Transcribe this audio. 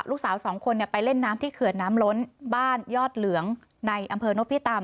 ลูกสาวสองคนไปเล่นน้ำที่เขื่อนน้ำล้นบ้านยอดเหลืองในอำเภอนพิตำ